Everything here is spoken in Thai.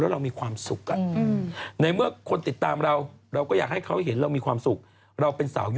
นางก็บอกว่าปูก็เป็นคนธรรมดาค่ะมารอเป็นนางฟ้าก่อนนะคะ